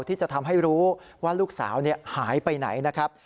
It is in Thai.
ที่จะทำให้รู้ว่าลูกสาวหายไปไหนนะครับ